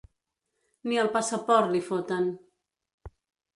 Ni el passaport li foten.